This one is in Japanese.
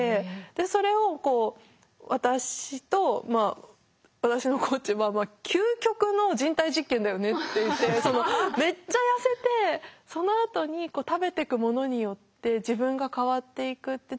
でそれを私と私のコーチ「究極の人体実験だよね」って言ってめっちゃ痩せてそのあとに食べていくものによって自分が変わっていくって。